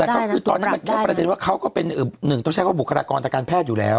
แต่ก็คือตอนนั้นมันแค่ประเด็นว่าเขาก็เป็นหนึ่งต้องใช้ว่าบุคลากรทางการแพทย์อยู่แล้ว